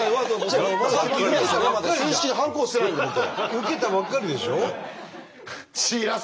受けたばっかりでしょ。